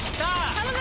頼む！